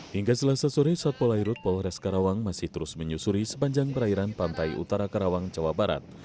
hingga selasa sore satpol airut polres karawang masih terus menyusuri sepanjang perairan pantai utara karawang jawa barat